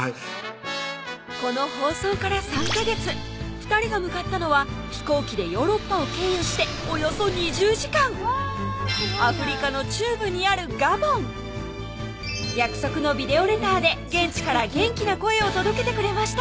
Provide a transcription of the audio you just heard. この放送から３ヵ月２人が向かったのは飛行機でヨーロッパを経由しておよそ２０時間アフリカの中部にあるガボン約束のビデオレターで現地から元気な声を届けてくれました